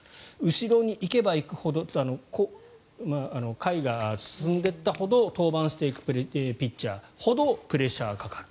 後ろに行けば行くほど回が進んでいったほど登板していくピッチャーほどプレッシャーがかかる。